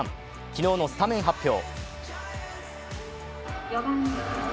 昨日のスタメン発表。